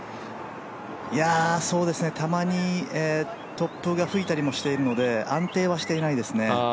いや、たまに突風が吹いたりもしていますので安定はしていないですね。